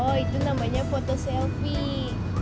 oh itu namanya foto selfie